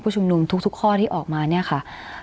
ชุมนุมทุกข้อที่ออกมาเนี่ยค่ะ